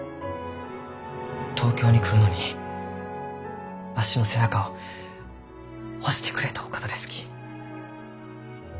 東京に来るのにわしの背中を押してくれたお方ですき。